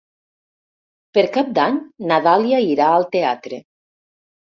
Per Cap d'Any na Dàlia irà al teatre.